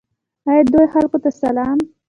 او د دوی خلکو ته سلام.